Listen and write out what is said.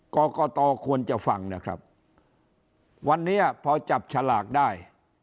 กรกตควรจะฟังนะครับวันนี้พอจับฉลากได้